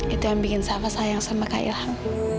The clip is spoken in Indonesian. itu yang bikin sayang sama kak ilham